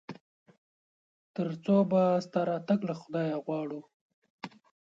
تر څو به ستا راتګ له خدايه غواړو ؟